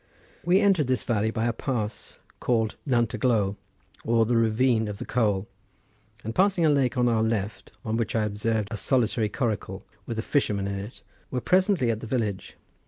We entered this valley by a pass called Nant y Glo or the ravine of the coal, and passing a lake on our left, on which I observed a solitary coracle, with a fisherman in it, were presently at the village.